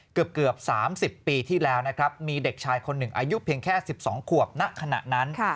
เกือบ๓๐ปีที่แล้วนะครับมีเด็กชายคนหนึ่งอายุเพียงแค่๑๒ขวบณขณะนั้น